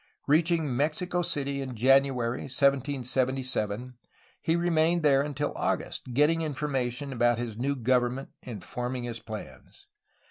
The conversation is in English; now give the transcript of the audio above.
Reaching Mexico City in January 1777, he remamed there until August, getting information about his new government and forming his plans.